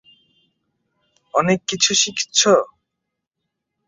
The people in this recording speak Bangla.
অনেক কিছু শিখছ?